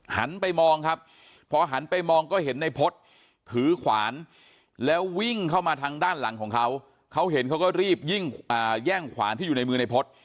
หันไปมองครับพอหันไปมองก็เห็นในพฤษถือขวานแล้ววิ่งเข้ามาทางด้านหลังของเขาเขาเห็นเขาก็รีบแย่งขวานที่อยู่ในมือในพจน์